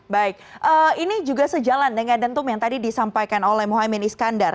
baik ini juga sejalan dengan dentum yang tadi disampaikan oleh muhaymin iskandar